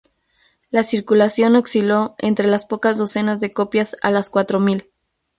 La circulación osciló ente las pocas docenas de copias a las cuatro mil.